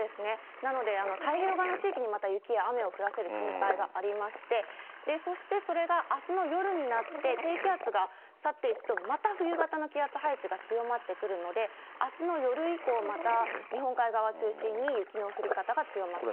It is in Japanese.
なので、太平洋側の地域にまた雪や雨を降らせる心配がありまして、そしてそれがあすの夜になって、低気圧が去っていくと、また冬型の気圧配置が強まってくるので、あすの夜以降、また日本海側中心に雪の降り方が強まってくる。